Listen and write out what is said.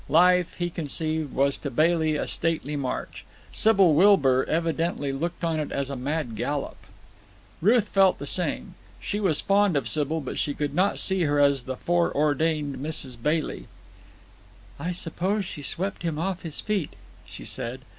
Life, he conceived, was to Bailey a stately march. Sybil Wilbur evidently looked on it as a mad gallop. Ruth felt the same. She was fond of Sybil, but she could not see her as the fore ordained Mrs. Bailey. "I suppose she swept him off his feet," she said.